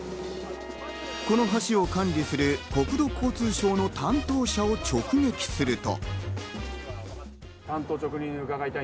この橋を管理する国土交通省の担当者を直撃すると。